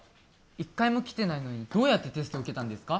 一回も来てないのにどうやってテスト受けたんですか？